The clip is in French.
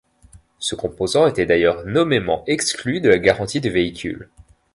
Ce composant était d'ailleurs nommément exclu de la garantie du véhicule.